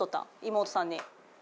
妹さんに。